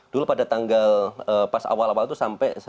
dulu pada tanggal pas awal awal itu sampai